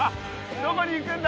どこに行くんだ？